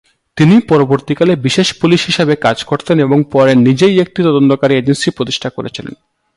তিনি পরবর্তীকালে বিশেষ পুলিশ হিসেবে কাজ করতেন এবং পরে নিজেই একটি তদন্তকারী এজেন্সি প্রতিষ্ঠা করেছিলেন।